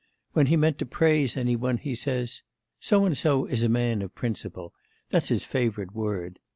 When he means to praise any one, he says So and so is a man of principle that's his favourite word.